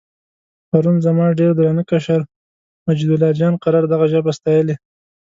پرون زما ډېر درانه کشر مجیدالله جان قرار دغه ژبه ستایلې.